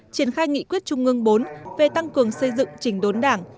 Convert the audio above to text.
triển khai nghị quyết trung ương bốn về tăng cường xây dựng trình đốn đảng